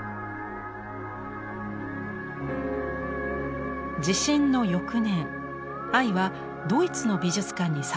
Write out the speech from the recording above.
地震の翌年アイはドイツの美術館に作品を掲げました。